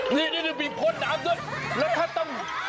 นี่มีคนอาทิตย์